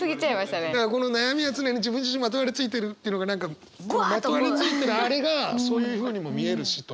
この悩みは常に自分自身にまとわりついてるっていうのが何かまとわりついてるあれがそういうふうにも見えるしという。